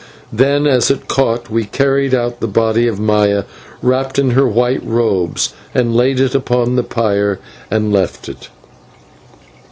Then, as it caught, we carried out the body of Maya, wrapped in her white robes, and laid it upon the pyre and left it.